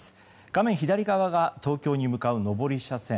画面左側が東京に向かう上り車線。